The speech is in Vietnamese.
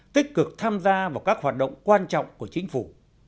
tích cực tham gia vào các hoạt động quan trọng của chính phủ